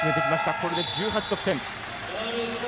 これで１８得点。